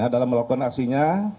dalam melakukan aksinya